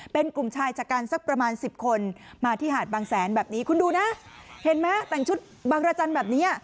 เป็นกลุ่มชายชะกันสักประมาณสิบคนมาที่หาดบางแสนแบบนี้คุณดูนะเห็นไหมแต่งชุดบางรจันทร์แบบนี้